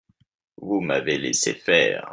Vous m'avez laissé faire.